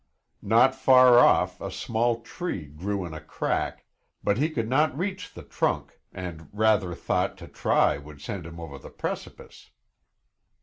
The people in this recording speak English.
Not far off a small tree grew in a crack, but he could not reach the trunk and rather thought to try would send him over the precipice.